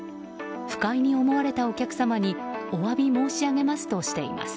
不快に思われたお客様にお詫び申し上げますとしています。